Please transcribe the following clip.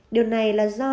điều này là do